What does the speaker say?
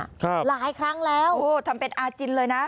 หลายครั้งแล้วโอ้ทำเป็นอาจินเลยนะ